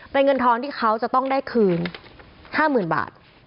เป็นเงินทอนที่เขาจะต้องได้คืน๕๐๐๐บาท